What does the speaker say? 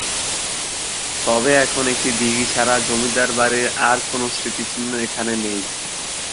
তবে এখন একটি দিঘী ছাড়া জমিদার বাড়ির আর কোনো স্মৃতিচিহ্ন এখানে নেই।